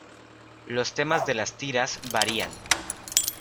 Los temas de las tiras varían.